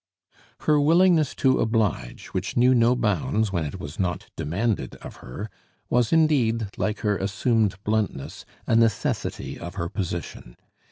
Her willingness to oblige, which knew no bounds when it was not demanded of her, was indeed, like her assumed bluntness, a necessity of her position.